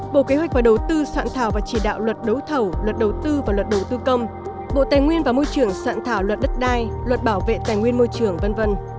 bộ kế hoạch và đầu tư soạn thảo và chỉ đạo luật đấu thầu luật đầu tư và luật đầu tư công bộ tài nguyên và môi trường soạn thảo luật đất đai luật bảo vệ tài nguyên môi trường v v